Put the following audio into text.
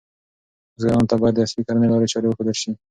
بزګرانو ته باید د عصري کرنې لارې چارې وښودل شي.